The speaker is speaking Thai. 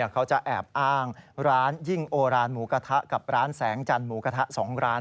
เขาจะแอบอ้างร้านยิ่งโอรานหมูกระทะกับร้านแสงจันทร์หมูกระทะ๒ร้าน